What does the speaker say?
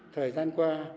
thời gian qua